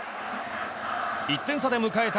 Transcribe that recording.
１点差で迎えた